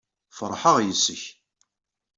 Feṛḥeɣ yes-k.